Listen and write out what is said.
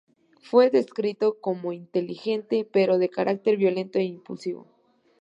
Fue descrito como inteligente, pero de carácter violento e impulsivo.